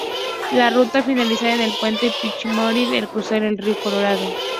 La ruta finaliza en el Puente Pichi Mahuida al cruzar el Río Colorado.